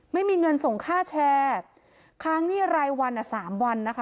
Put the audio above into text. ไม่มีเงินส่งค่าแชร์ค้างหนี้รายวันอ่ะสามวันนะคะ